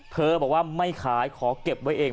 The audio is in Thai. บอกว่าไม่ขายขอเก็บไว้เอง